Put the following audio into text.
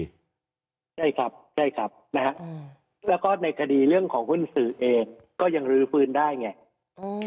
ใช่ครับใช่ครับนะฮะแล้วก็ในคดีเรื่องของหุ้นสื่อเองก็ยังลื้อฟื้นได้ไง